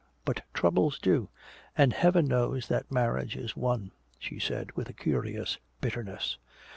But troubles do. And heaven knows that marriage is one," she said with a curious bitterness.